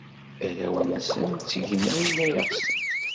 Arraw-nsen ttgen ayen ay ɣsen.